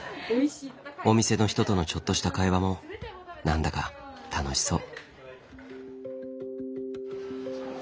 お店の人とのちょっとした会話も何だか楽しそう。